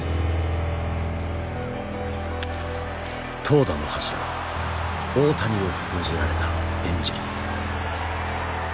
投打の柱大谷を封じられたエンジェルス。